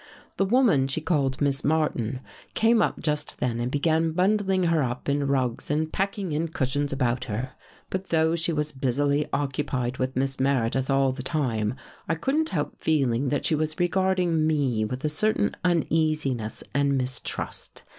" The woman she called Miss Martin came up just then and began bundling her up in rugs and packing in cushions about her. But though she was busily occupied with Miss Meredith all the time, I couldn't help feeling that she was regarding me with a certain uneasiness and mistrust.